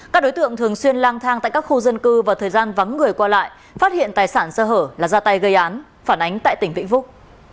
các đối tượng thường xuyên lang thang tại các khu dân cư và thời gian vắng người qua lại phát hiện tài sản sơ hở là ra tay gây án phản ánh tại tỉnh vĩnh phúc